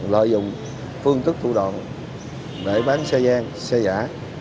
lợi dụng phương thức thủ đoạn để bán xe gian xe giả